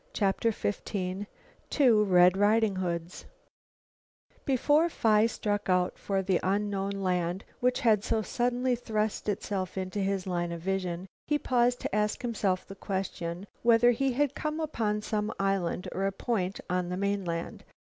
CHAPTER XV TWO RED RIDING HOODS Before Phi struck out for the unknown land which had so suddenly thrust itself into his line of vision, he paused to ask himself the question whether he had come upon some island or a point on the mainland.